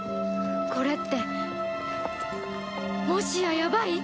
これってもしややばい？